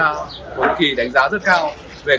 hồ nguyễn kỳ đánh giá rất cao về